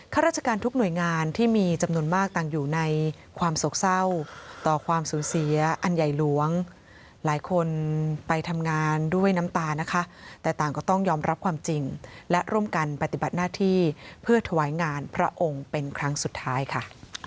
ข้าราชการทุกหน่วยงานที่มีจำนวนมากต่างอยู่ในความโศกเศร้าต่อความสูญเสียอันใหญ่หลวงหลายคนไปทำงานด้วยน้ำตานะคะแต่ต่างก็ต้องยอมรับความจริงและร่วมกันปฏิบัติหน้าที่เพื่อถวายงานพระองค์เป็นครั้งสุดท้ายค่ะ